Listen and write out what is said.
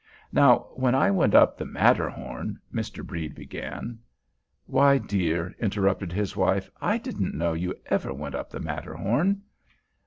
"Now, when I went up the Matterhorn" Mr. Brede began. "Why, dear," interrupted his wife, "I didn't know you ever went up the Matterhorn."